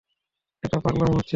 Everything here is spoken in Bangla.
এটা পাগলামো হচ্ছে!